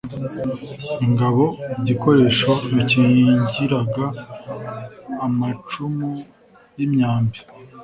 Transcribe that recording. ingabo igikoresho bikingiraga amacumu y'imyambi